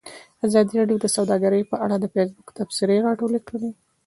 ازادي راډیو د سوداګري په اړه د فیسبوک تبصرې راټولې کړي.